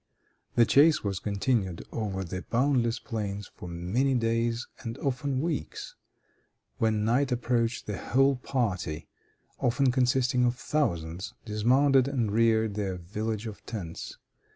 The chase was continued, over the boundless plains, for many days and often weeks. When night approached, the whole party, often consisting of thousands, dismounted and reared their village of tents.